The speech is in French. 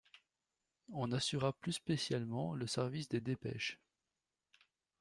On assura plus spécialement le service des dépêches.